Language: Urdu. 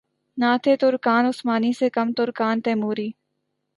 نہ تھے ترکان عثمانی سے کم ترکان تیموری